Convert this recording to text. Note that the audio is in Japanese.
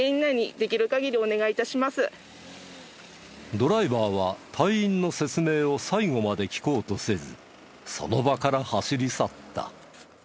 ドライバーは隊員の説明を最後まで聞こうとせずその場から走り去った。